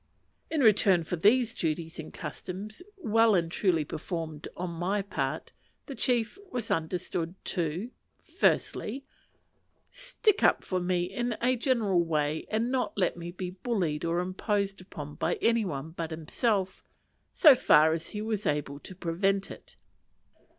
In return for these duties and customs, well and truly performed on my part, the chief was understood to Firstly. Stick up for me in a general way, and not let me be bullied or imposed upon by any one but himself, so far as he was able to prevent it.